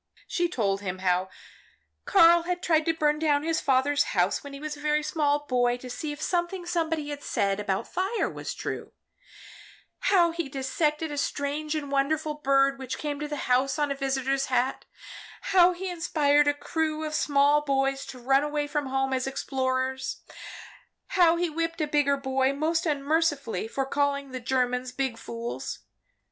She told him how Karl had tried to burn down his father's house, when a very small boy, to see if something somebody had said about fire was true, how he dissected a strange and wonderful bird which came to the house on a visitor's hat, how he inspired a whole crew of small boys to run away from home as explorers, how he whipped a bigger boy most unmercifully for calling the Germans big fools.